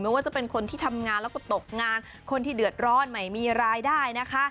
ว่าจะเป็นคนที่ทำงานแล้วก็ตกงานคนที่เดือดร้อนไม่มีรายได้นะคะ